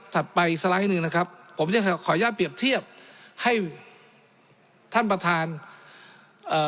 ไปสไลด์หนึ่งนะครับผมยังขออนุญาตเปรียบเทียบให้ท่านประธานเอ่อ